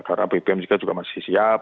karena bpm juga masih siap